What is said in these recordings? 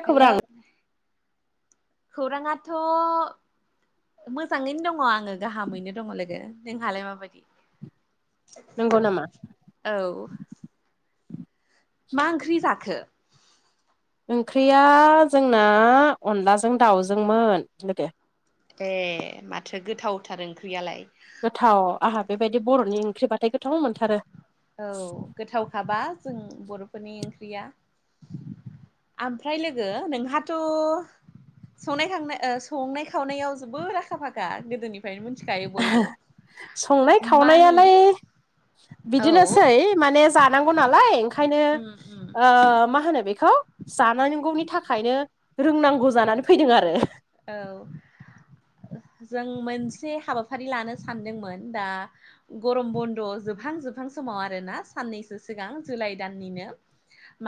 खौरां हेल' खौराङाथ' मोजाङैनो दङ आङो गाहामैनो दङ लोगो नोंहालाय माबायदि नंगौ नाम औ मा ओंख्रि जाखो ओंख्रिया जोंना अनलाजों दाउजोंमोन लोगो। ए माथो गोथावथार ओंख्रियालाय थाव आंहा बेबायदि बर'नि ओंख्रि औ गोथावखाबा जों बर'फोरनि ओंख्रिया ओमफ्राय लोगो नोंहाथ' संनाय खावनाय संनाय खावनायाव जोबोद आखा फाखा गोदोनि फ्राय मिथिखायो बयबो संनाय मानि खावनायालाय औ बिदिनोसै माने जानांगौ नालाय ओंखायनो उम उम ओ मा होनो बेखौ जानांगौनि थाखायनो रोंनांगौ जानानै फैदों आरो औ ओ जों मोनसे हाबाफारि लानो सानदोंमोन दा गरम बन्द जोबहां जोबहां समाव आरोना साननैसो सिगां जुलाइ दाननिनो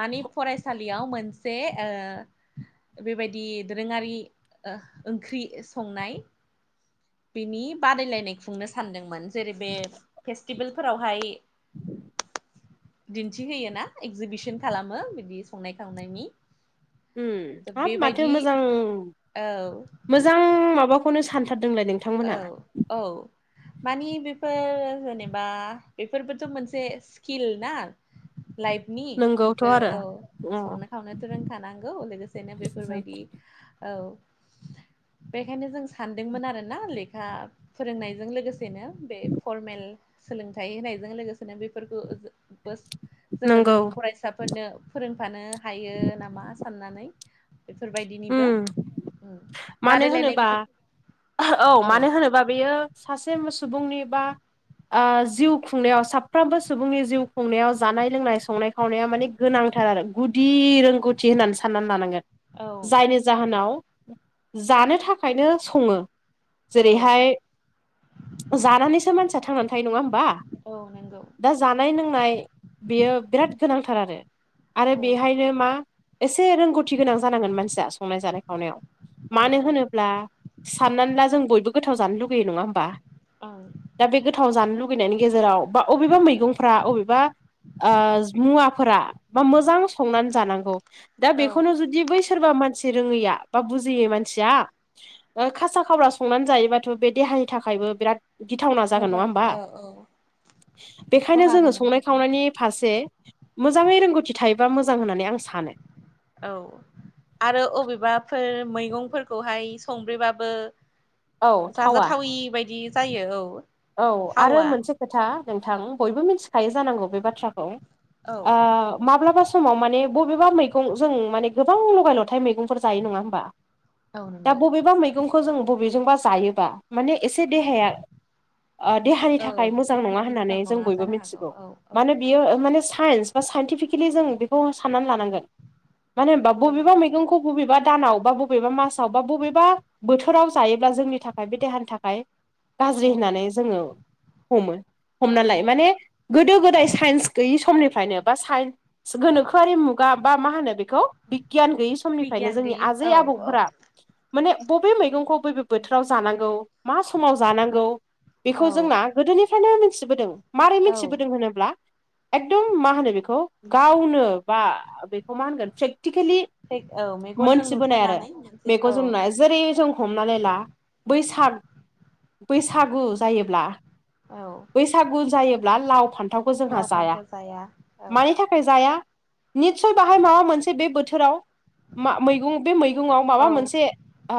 मानि फरायसालियाव ओ मोनसे बेबायदि दोरोङारि ओंख्रि संनाय बिनि बादायलायनाय खुंनो सानदोंमोन जेरै बे फेस्टिभेलफोरावहाय दिन्थिहोयोना एक्जिबिसन खालामो बिदि संनाय खावनायनि ओम हाब माथो बेबायदि मोजां औ मोजां माबाखौनो सानथारदोंलाय नों औ औ मानि बेफोर जेनेबा बेफोरबोथ' मोनसे स्किल ना। लाइभनि नंगौथ' बेफोरो आरो औ। अ संनो खावनो थ रोंखानांगौ लोगोसेनो बेफोरबायदि औ। बेखायनो जों सानदोंमोन आरो ना लेखा फोरोंनायजों लोगोसेनो बे फरमेल सोलोंथाइ होनायजों लोगोसेनो बेफोरखौ बोस जोङो नंगौ जोंनि फरायसाफोरनो फोरोंफानो हायो नामा साननानै बेफोरबायदिनिबो उम मानो बादायलायनाय होनोबा खु औ मानो होनोबा बेयो सासे सुबुंनि बा ओ जिउ खुंनायाव साफ्रोमबो सुबुंनि जिउ खुंनायाव जानाय लोंनाय संनाय खावनायाव माने गोनांथार आरो गुदि रोंगौथि होननानै साननानै लानांगोन औ जायनि जाहोनाव जानो थाखायनो सङो औ जेरैहाय जानानैसो मानसिया थांनानै थायो नङा होमबा औ नोंगौ दा जानाय लोंनाय बेयो बिराद गोनांथार आरो आरो औ बेहाय बियो मा एसे रोंगौथि गोनां जानांगोन मानसिया संनाय जानाय खावनायाव औ मानो औ होनोब्ला साननानै ला जों बयबो गोथाव जानो लुगैयो नङा होमबा ओं दा बे गोथाव जानो लुगैनायनि गेजेराव बा अबेबा मैगंफ्रा अबेबा ओ मुवाफोरा बा मोजां संनानै जानांगौ दा औ बेखौनो जुदि बै सोरबा मानसि रोङैया बा बु जियै मानसिया ओ खासा खावरा संनानै जायोबाथ' बे देहानि थाखायबो बिराद गिथावना जागोन नङा मोजां होमबा औ औ बेखायनो खहा जोङो गोनां संनाय जागोन खावनायनि फारसे मोजाङै रोंगौथि थायोबा मोजां होननानै आं सानो औ आरो अबेबाफोर मैगंफोरखौहाय संब्रेबाबो औ थावा जाजाथावि बायदि जायो औ औ आरो थावा मोनसे खोथा नोंथां बयबो मिथिखायो जानांगौ बे बाथ्राखौ औ ओ माब्लाबा समाव माने बबेबा मैगं जों माने गोबां लगाय लथाइ मैगं फोर जायो नङा होमबा औ दा नंगौ बबेबा मै खौ जों बबेजोंबा जायोबा माने एसे देहाया ओ देहानि औ थाखाय मोजां देहानि नङा थाखाय होननानै मोजां जों नङा बयबो जानो हागौ मिथिगौ औ औ मानो बियो ओ माने साइन्स बा साइन्टिफिकेलि जों बेखौ साननानै लानांगोन मानो होमबा औ बबेबा नंगौ मैगंखौ बबेबा दानाव बा बबेबा मासाव बा बबेबा बोथोराव जायोब्ला जोंनि थाखाय बे देहानि थाखाय गाज्रि औ होननानै जोङो हमो हमना लायो औ माने गोदो गोदाय साइन्स गैयि समनिफ्रायनो बा साइन्स गोनोखोआरि मुगा बा मा होनो बेखौ बिगियान गैयि समनिफ्रायनो बिगियान जोंनि गैयि आजै औ औ आबौफोरा माने बबे मैगंखौ बबे बोथोराव जानांगौ मा समाव जानांगौ बेखौ औ जोंना गोदोनिफ्रायनो मिथिबोदों मारै औ मिथिबोदों होनोब्ला एकदम मा होनो बेखौ गावनो बा बेखौ मा होनगोन प्रेक्टिकेलि औ मेगनजों मोनथिबोनाय आरो नुथारनानै मोनसे औ मेगनजों नुनाय जेरै जों हमनानै ला बैसाग बैसागु जायोब्ला औ बैसागु जायोब्ला लाव फानथ फानथावखौ जोंहा लाव जाया फान्थाव औ मानि थाख खाय जाया निस्सय बाहाय माबा मोनसे बे बोथोराव मा मैगं बे मैगाव माबा औ मोनसे ओ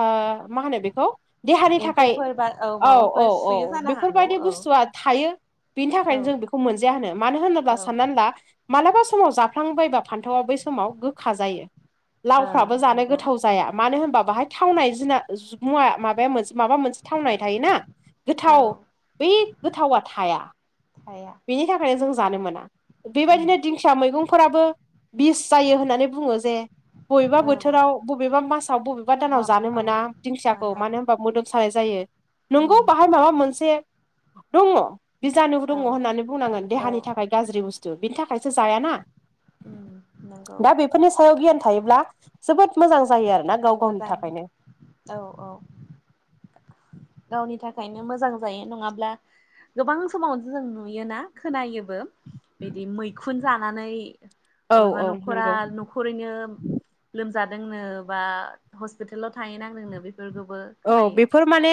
मा होनो बेखौ देहानि थाखाय एम्फौफोर औ माबा औ औ बेफोरबायदि बुस्थुआ थायो बिनि औ थाखायनो जों बिखौ मोनजाया होनो मानो होनोब्ला औ साननानै ला मालाबा समाव जाफ्लांबायबा फान्थावआ बै समाव गोखा जायो ओं लावफ्राबो जानो नंगौ गोथाव जाया मानो होनबा बाहाय थावनाय जिना मुवा माबाया मोनसे माबा मोनसे थावनाय थायोना औ गोथाव बै गोथावा थाया थाया बिनि थाखायनो जों जानो मोना उम बेबायदिनो दिंखिया मैगंफोराबो बिस जायो होननानै बुंङो जे बबेबा औ बोथोराव बबेबा मासाव बबेबा दानाव मा जानो औ मोना दिंखियाखौ मोना मानो होनोमबा मोदोम मोसानाय जायो उम नोंगौ बाहाय माबा मोनसे दङ' बिजानु दङ' औ होननानै बुंनांगोन औ देहानि थाखाय गाज्रि बुस्थु बिनि थाखायसो जायाना उम नंगौ दा बेफोरनि सायाव गियान थायोब्ला जोबोद मोजां जायो आरोना गाव गावनि मोजां थाखायनो औ औ गावनि थाखायनो मोजां जायो नंङाब्ला गोबां समाव जों नुयोना खोनायो बिदि मैखुन जानानै औ अबेबा औ न'खरा नंगौ नखरैनो लोमजादोंनो बा हस्पिटालाव थाहैनांदोंनो बेफोरखौबो औ खोनायो बेफोर माने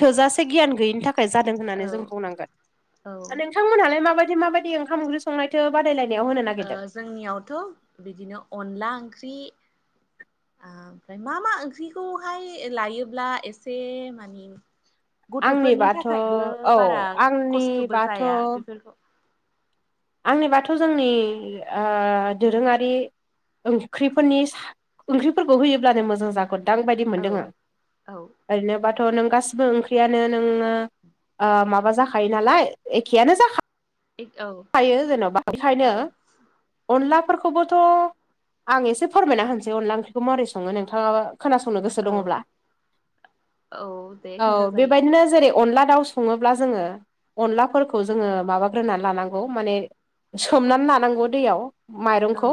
थोजासे गियान गैयिनि थाखाय जादों औ होननानै जों बुंनांगोन औ नोंथां मोनहालाय माबाय माबायदि ओंखाम ओंख्रि संनायथो बादायलायनाय होनो ओ नागिरदों जोंनियावथ' बिदिनो अनला ओंख्रि आ‌ ओमफ्राय मा मा ओंख्रिखौहाय लायोब्ला एसे मानि गथ'फोरनि आंनिबाथ' थाखायबो औ बारा खस्थ'बो आंनिबाथ' जाया बेफोरखौ आंनि बाथ' जोंनि ओ दोरोंङारि ओंख्रिफोरनि सा ओंख्रिफोरखौ होयोब्लानो मोजां जागोन बोदां बायदि मोनदों औ आं औ ओरैनोबाथ' नों गासिबो ओंख्रियानो नोंङो ओ माबा जाखायो नालाय एखेयानो जाखा औ थायो जेन'बा बेखायनो औ अनलाफोरखौबोथ' आं एसे फोरमायना होनसै अनला ओंख्रिखौ माबोरै अंसङो नोंथांङा खोनासंनो गोसो औ दङ'ब्ला दे औ खिन्था जायो बेबायदिनो जेरै अनला दाउ संङोब्ला जोंङो अनलाफोरखौ जोंङो माबा ग्रोनानै लानांगौ औ माने सोमनानै लानांगौ दैयाव औ माइरंखौ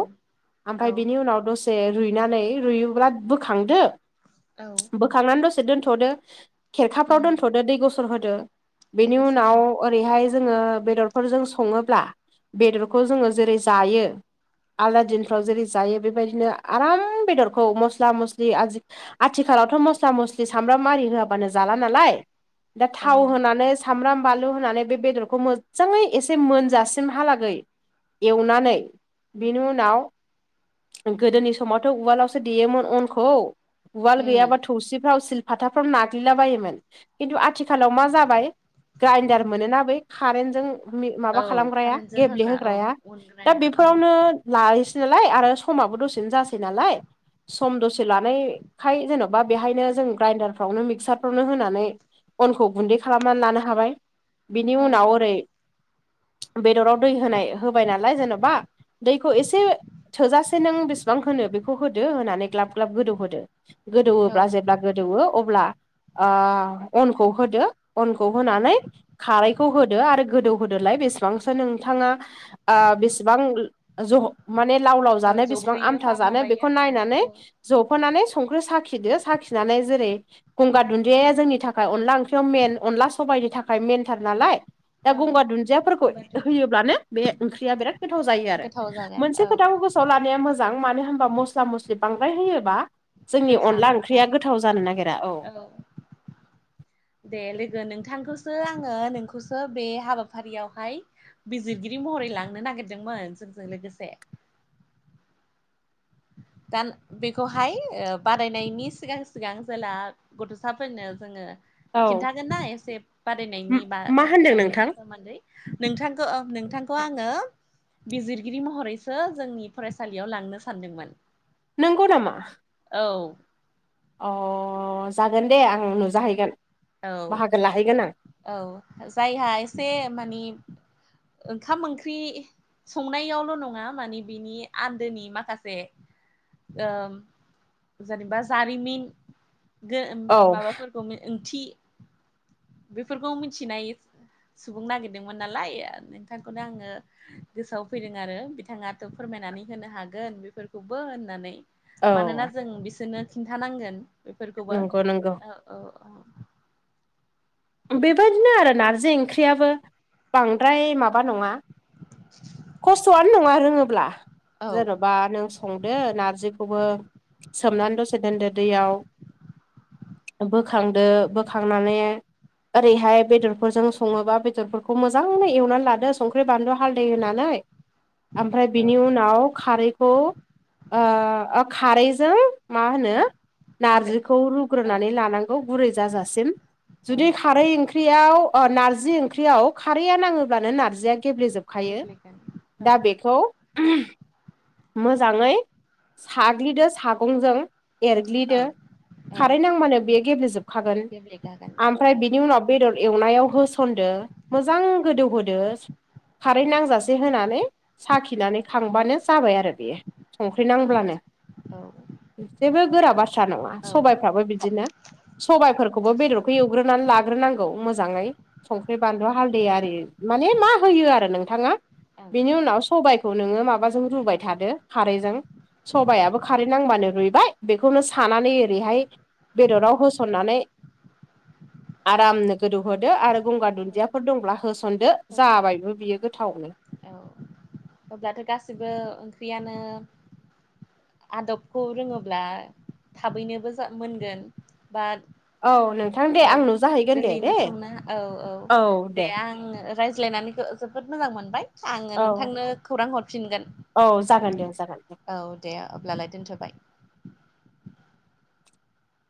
औ ओमफ्राय बिनि उनाव जे रुइनानै रुइयोब्ला बोखांदो औ बोखांनानै दसे दोनथदो खेरखाफ्राव दोनथ'दो दै गसर होदो दै बेनि गोसो उनाव होनाय ओरैहाय ओ जोंङो बेदरफोरजों संङोब्ला बेदरखौ जोंङो जेरै जायो आलादा दिनफ्राव जेरै जायो बेबायदिनो आराम बेदरखौ मस्ला मस्लि आजि आथिखालावथ' मस्ला मस्लि सामब्राम आरि होआबानो जाला नालाय दा थाव औ होनानै सामब्राम बानलु होनानै बे बेदरखौ मोजाङै एसे मोनजासिमहालागै एवनानै बेनि उनाव गोदोनि समावथ' उवालावसो देयोमोन अनखौ उवाल उम गैयाबाथ' थौसिफ्राव सिलपाथाफ्राव नाग्लिला बायोमोन खिन्थु आथिखालाव मा जाबाय ग्राइन्डार मोनोना बै कारेन्टजों मि औ माबा खालामग्राया कारेन्टजों होग्रा औ गेब्लेहोग्राया दा उनग्राया औ बेफोरावनो लाहैसै नालाय आरो समाबो दसेनो जासै नालाय सम दसे लानायखाय जेन'बा बेहायनो जों ग्राइडारफ्रावनो मिक्सारफ्रावनो होनानै अनखौ गुन्दै खालामनानै लानो हाबाय बिनि औ उनाव ओरै बेदराव दै होनाय होबाय नालाय जेन'बा दैखौ एसे थोजासे नों बेसेबां होनो बेखौ होदो होनानै ग्लाब ग्लाब गोदौ होदो औ गोदौवोब्ला जेब्ला गोदौवो अब्ला ओ अनखौ होदो अनखौ होनानै खारैखौ होदो आरो गोदौ होदोलाय बेसेबांसो नोंथांङा ओ बेसेबां ज माने लाव लाव औ जानो बिसिबां जबहोयो आमथा बा जानो बेखौ माबायो औ नायनानै औ जफानानै संख्रि साखिदो साखिनानै जेरै - गंगार दुन्दियया जोंनि थाखाय अनला ओंख्रियाव मेन अनला सबायाइनि थाखाय मेनथार नालाय दा औ गंगार दुन्दियाफोरखौ होनबा होयोब्लानो बे ओंख्रिया बिराद गोथाव जायो आरो गोथाव जागोन मोनसे औ गोसोआव लानाया मोजां मानो होनबा मस्ला मस्लि बांद्राय होयोबा जोंनि गोखा अनला ओंख्रिया मोनजागोन गोथाव जानो नागिरा औ दे लोगो नोंथांखौसो आङो नोंखौसो बे हाबाफारियावहाय बिजिरगिरि महरै लांनो नागिरदोंमोन जोंजों लोगोसे दा बेखौहाय ओ बादायनायनि सिगां सिगां जेला गथ'साफोरनो जोङो औ खिन्थागोन ना एसे बादायनायनि बा मा ओ होनदों औ नोंथां सोमोन्दै नोंथांखौ ओं नोंथांखौ आङो बिजिरगिरि महरैसो जोंनि फरायसालियाव लांनो सानदोंमोन। नंगौ नामा औ अ जागोन दे आं नुजाहैगोन। औ बाहागो लाहैगोन आं औ जायहा एसे मानि ओंखाम ओंख्रि संनायावल' नङा माने बिनि आन्दोनि माखासे ओ जेनेबा जारिमिन गो उम औ माबाफोरखौ ओंथि बेफोरखौ मिथिनाय सुबुं नागिरदोंमोन नालाय नोंथांखौनो आङो गोसोआव फैदों आरो बिथाङाथ' फोरमायनानै होनो हागोन बेफोरखौबो होननानै औ मानोना जों बिसोरनो खिन्थानांगोन बेफोरखौबो नंगौ नंगौ औ औ औ बेबायदिनो आरो नारजि ओंख्रियाबो बांद्राय माबा नङा खस्थ'आनो नङा रोङोब्ला औ जेन बा नों संदो नारजिखौबो सोमनानै दसे दोनदो दैयाव। बोखांदो बोखांनानै ओरैहाय बेदरफोरजों सङोबा बेदरफोरखौ मोजाङै एवनानै लादो संख्रि बानलु हालदै होनानै ओमफ्राय औ बिनि उनाव खारैखौ ओ ओ खारैजों मा होनो हाथो नारजिखौ औ रुग्रोनानै लानांगौ गुरै जाजासिम औ जुदि खारै ओंख्रियाव अ नारजि ओंख्रियाव खारैया नाङोब्लानो नारजिया गेब्लेेजोब खायो गेब्लेगोन औ दा बेखौ मोजाङै साग्लिदो सागंजों औ एरग्लिदो औ खारै नांबानो बेयो गेब्लेेजोबखागोन [unintelligible] आमफ्राय बिनि उनाव बेदर एवनायाव होसनदो मोजां गोदौहोदो खारै नांजासे होनानै साखिनानै खांबानो जाबाय आरो बेयो संख्रि औ नांब्लानो औ औ जेबो औ गोरा बाथ्रा नङा ओं सबाइफ्राबो औ बिदिनो सबायाइफोरखौबो बेदर खौ एवग्रोनानै लाग्रोनांगौ मोजाङै। संख्रि बानलु हालदै आरि माने मा होयो आरो नोंथाङा बेनि उनाव सबाइखौ नोङो माबाजों रुबाय थादो खारैजों सबायाबो खारै नांबानो रुइबाय बेखौनो सानानै ओरैहाय बेदराव होसननानै आरामनो गोदौहोदो आरो गंगार दुन्दियाफोर दंब्ला होसनदो जाबायबो बियो गोथावनो औ अब्लाथ' गासिबो ओंख्रियानो आदबखौ रोङोब्ला थाबैनोबो जा मोनगोन बाट औ नोंथां दे औ आंनाव जाहैगोन दे दे गोरलैयैनो समना औ औ दे आङो रायज्लायनानै जोबोद मोजां मोनबाय आङो औ नोंथांनो खौरां हरफिनगोन औ जागोन दे जागोन दे। औ दे अब्लालाय दोनथ'बाय।